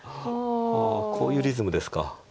ああこういうリズムですか。